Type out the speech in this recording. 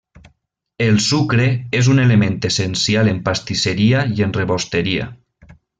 El sucre és un element essencial en pastisseria i en rebosteria.